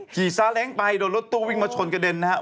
ซาเล้งไปโดนรถตู้วิ่งมาชนกระเด็นนะครับ